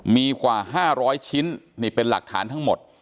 มีกว่า๕๐๐ชิ้นนี่เป็นหลักฐานทั้งหมด